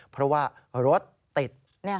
เพราะว่ารถติด